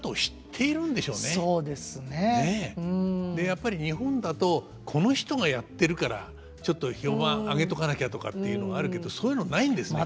やっぱり日本だと「この人がやってるからちょっと評判上げとかなきゃ」とかっていうのがあるけどそういうのないんですね。